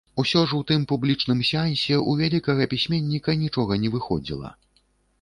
Усё ж у тым публічным сеансе ў вялікага пісьменніка нічога не выходзіла.